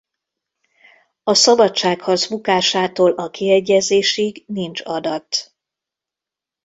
A szabadságharc bukásától a kiegyezésig nincs adat.